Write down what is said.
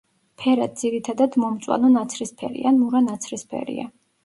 ფერად ძირითადად მომწვანო ნაცრისფერი ან მურა ნაცრისფერია.